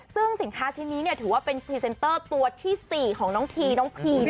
ซึ่งสินค้าชิ้นนี้ถือว่าเป็นพรีเซนเตอร์ตัวที่๔ของน้องทีน้องพี